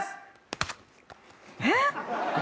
えっ！？